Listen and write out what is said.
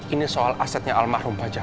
ini soal asetnya almahrum pajakak